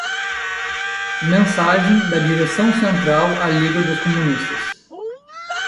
Mensagem da Direcção Central à Liga dos Comunistas